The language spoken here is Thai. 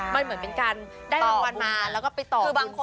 มันเหมือนเป็นการได้รางวัลมาแล้วก็ไปต่อบุญต่อไปเรื่อย